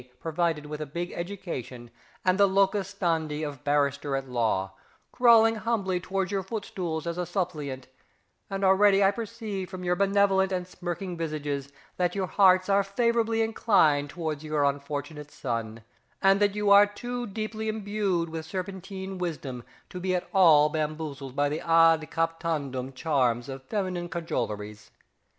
provided with a big education and the locus standi of barrister at law, crawling humbly towards your footstools as a suppliant, and already I perceive from your benevolent and smirking visages that your hearts are favourably inclined towards your unfortunate son, and that you are too deeply imbued with serpentine wisdom to be at all bamfoozled by the ad captandum charms of feminine cajoleries.